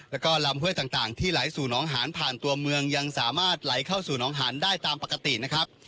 แล้วก็ลำห้วยต่างที่ไหลสู่น้องหานผ่านตัวเมืองยังสามารถไหลเข้าสู่น้องหานได้ตามปกตินะครับ